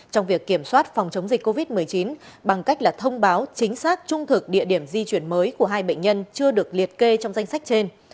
trong việc kiểm soát phòng chống dịch covid một mươi chín bằng cách là thông báo chính xác trung thực địa điểm di chuyển mới của hai bệnh nhân chưa được liệt kê trong danh sách trên